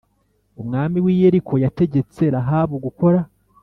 Umwami w i Yeriko yategetse Rahabu gukora.